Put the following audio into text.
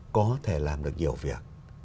có thể làm được nhiều việc